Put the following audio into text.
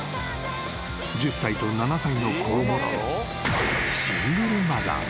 ［１０歳と７歳の子を持つ］